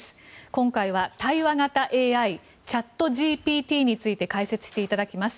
今回は対話型ＡＩチャットＧＰＴについて解説していただきます。